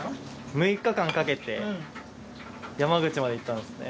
６日間かけて山口まで行ったんですね。